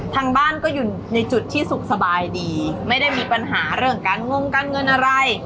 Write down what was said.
ทางบ้านก็อยู่ในจุดที่สุขสบายดีไม่ได้มีปัญหาเรื่องการงงการเงินอะไร